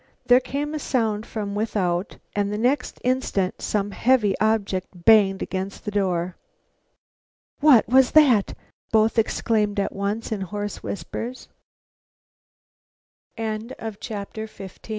There came a sound from without, and the next instant some heavy object banged against the door. "What was that?" both exclaimed at once in hoarse whispers. CHAPTER XVI A FORTUNATE DISCOVERY A